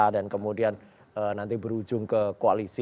dan kemudian nanti berujung ke koalisi